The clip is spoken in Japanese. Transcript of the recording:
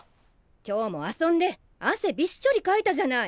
今日も遊んであせびっしょりかいたじゃない。